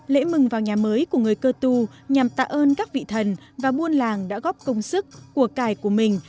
lễ mừng vào nhà mới của người cơ tu nhằm tạ ơn các vị thần và buôn làng đã góp công sức của cải của mình